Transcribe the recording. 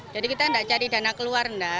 jadi kita tidak cari dana keluar tidak